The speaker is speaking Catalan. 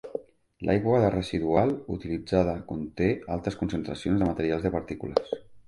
L'aigua de residual utilitzada conté altes concentracions de material de partícules.